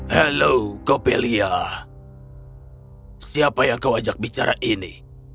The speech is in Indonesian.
halo copelia siapa yang kau ajak bicara ini